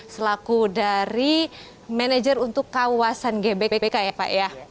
selaku dari manajer untuk kawasan gbk ya pak ya